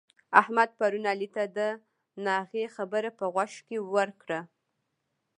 احمد پرون علي ته د ناغې خبره په غوږ کې ورکړه.